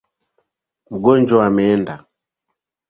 Mgonjwa ameenda